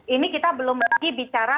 ini kita belum lagi bicara